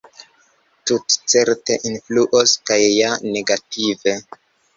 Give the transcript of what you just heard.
Tutcerte influos, kaj ja negative.